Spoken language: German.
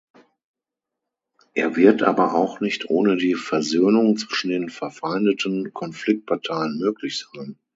Er wird aber auch nicht ohne die Versöhnung zwischen den verfeindeten Konfliktparteien möglich sein.